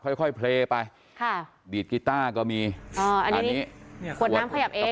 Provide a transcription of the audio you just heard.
ค่อยค่อยเพลย์ไปค่ะดีดกีต้าก็มีอ๋ออันนี้ขวดน้ำขยับเอง